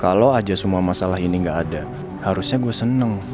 kalau aja semua masalah ini gak ada harusnya gue seneng